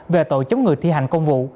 về tội chống người thi hành công vụ